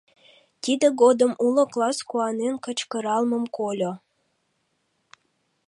Тиде годым уло класс куанен кычкыралмым кольо: